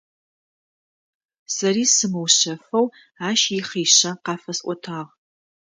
Сэри сымыушъэфэу ащ ихъишъэ къафэсӏотагъ.